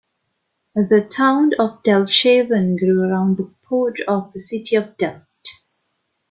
The town of Delfshaven grew around the port of the city of Delft.